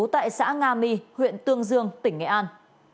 tại xã nga my huyện tương dương tỉnh nghệ an